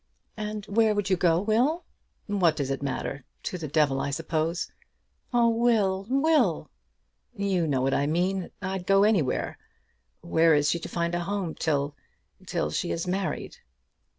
"And where would you go, Will?" "What does it matter? To the devil, I suppose." "Oh, Will, Will!" "You know what I mean. I'd go anywhere. Where is she to find a home till, till she is married?"